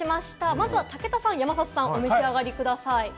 まずは武田さん、山里さん、お召し上がりください。